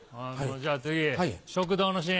じゃあ次食堂のシーン。